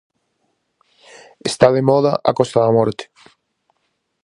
Está de moda a Costa da Morte.